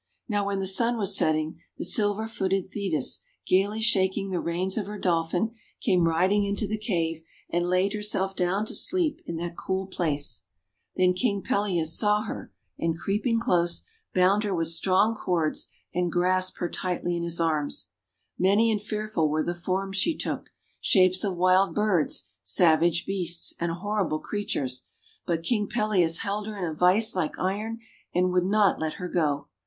Now when the Sun was setting, the silver footed Thetis, gayly shaking the reins of her Dolphin, came riding into the cave, and laid herself down to sleep in that cool place. Then King Peleus saw her, and, creeping close, THE APPLE OF DISCORD £11 bound her with strong cords, and grasped her tightly in his arms. Many and fearful were the forms she took, — shapes of wild birds, savage beasts, and horrible creatures, — but King Peleus held her in a vice like iron and would not let her go.